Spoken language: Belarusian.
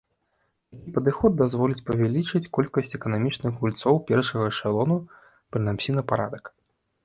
Такі падыход дазволіць павялічыць колькасць эканамічных гульцоў першага эшалона прынамсі на парадак.